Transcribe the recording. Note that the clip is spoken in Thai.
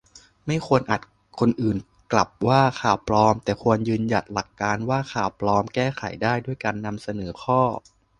ไม่ควรอัดคนอื่นกลับว่า "ข่าวปลอม" แต่ควรยืนยันหลักการว่า ข่าวปลอมแก้ไขได้ด้วยการนำเสนอข้อ